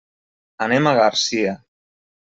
Anem a Garcia.